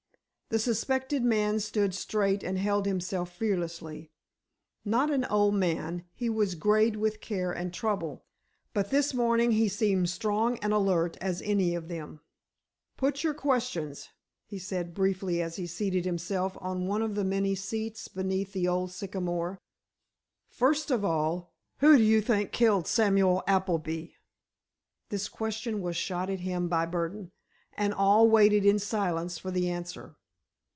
The suspected man stood straight and held himself fearlessly. Not an old man, he was grayed with care and trouble, but this morning he seemed strong and alert as any of them. "Put your questions," he said, briefly, as he seated himself on one of the many seats beneath the old sycamore. "First of all, who do you think killed Samuel Appleby?" This question was shot at him by Burdon, and all waited in silence for the answer.